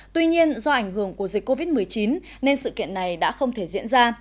tuy nhiên do ảnh hưởng của dịch covid một mươi chín nên sự kiện này đã không thể diễn ra